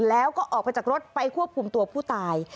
แล้วก็ออกไปจากรถไปควบคุมตัวผู้ตาย